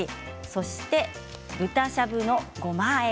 そして、豚しゃぶのごまあえ